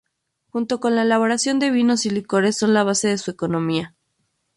Junto con la elaboración de vinos y licores son la base de su economía.